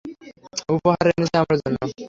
উপহার এনেছ আমার জন্য?